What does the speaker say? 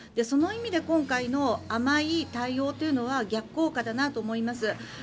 その意味で今回の甘い対応というのは逆効果だなと思います。